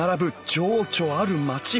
情緒ある街。